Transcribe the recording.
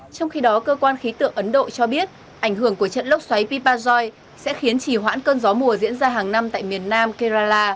trong khi đó cơ quan khí tượng ấn độ cho biết ảnh hưởng của trận lốc xoáy pipazoi sẽ khiến chỉ hoãn cơn gió mùa diễn ra hàng năm tại miền nam kerala